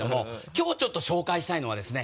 きょうちょっと紹介したいのはですね